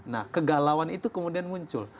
nah kegalauan itu kemudian muncul